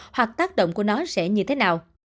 hoặc tác động của nó sẽ như thế nào